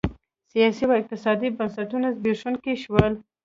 سیاسي او اقتصادي بنسټونه زبېښونکي شول.